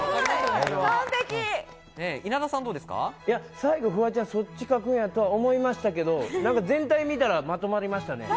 最後フワちゃん、それを描くんだと思いましたが、全体みたら、まとまりました。